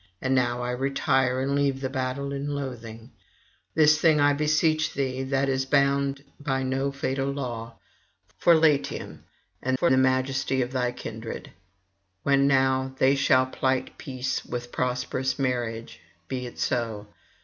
And now I retire, and leave the battle in loathing. [819 854]This thing I beseech thee, that is bound by no fatal law, for Latium and for the majesty of thy kindred. When now they shall plight peace with prosperous marriages (be it so!)